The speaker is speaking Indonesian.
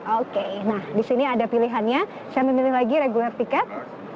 oke nah di sini ada pilihannya saya memilih lagi regular tiket